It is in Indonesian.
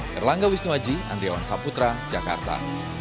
herlangga wisnuaji andriawan saputra jakarta